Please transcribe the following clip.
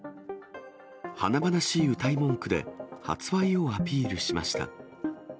華々しいうたい文句で発売をアピールしました。